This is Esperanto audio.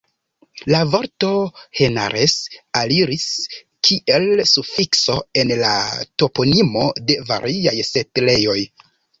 La vorto "henares" aliris, kiel sufikso, en la toponimo de variaj setlejoj.